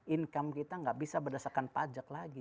income kita nggak bisa berdasarkan pajak lagi